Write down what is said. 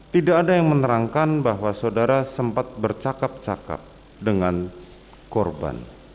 tidak ada yang menerangkan bahwa saudara sempat bercakap cakap dengan korban